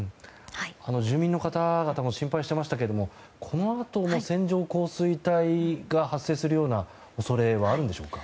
住民の方々も心配していましたがこのあとも線状降水帯が発生するような恐れはあるんでしょうか？